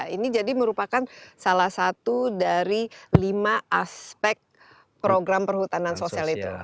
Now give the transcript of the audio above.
ini jadi merupakan salah satu dari lima aspek program perhutanan sosial itu